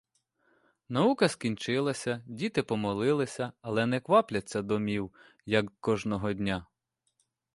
Наука скінчилася, діти помолилися, але не квапляться домів, як кожного дня.